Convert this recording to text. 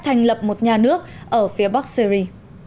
thành lập một nhà nước ở phía bắc syri